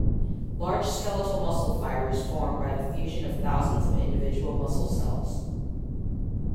Large skeletal muscle fibers form by the fusion of thousands of individual muscle cells.